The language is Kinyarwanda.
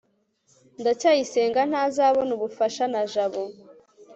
ndacyayisenga ntazabona ubufasha na jabo